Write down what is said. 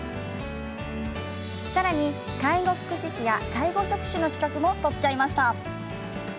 さらに、介護福祉士や介護食士の資格も取ってしまいました。